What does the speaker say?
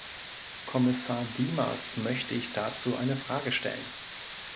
Kommissar Dimas möchte ich dazu eine Frage stellen.